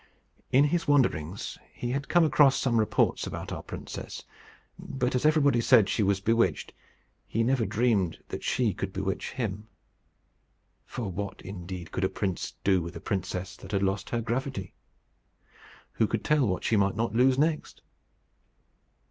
In his wanderings he had come across some reports about our princess; but as everybody said she was bewitched, he never dreamed that she could bewitch him. For what indeed could a prince do with a princess that had lost her gravity? Who could tell what she might not lose next?